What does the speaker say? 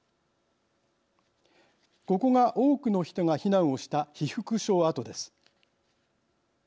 ここが多くの人が避難をした被服廠跡です。